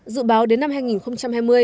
dự báo đến năm hai nghìn hai mươi